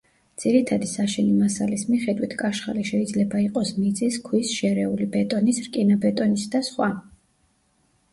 ძირითადი საშენი მასალის მიხედვით კაშხალი შეიძლება იყოს მიწის, ქვის, შერეული, ბეტონის, რკინაბეტონის და სხვა.